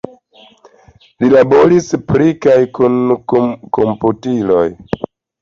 Li laboris pri kaj kun komputiloj.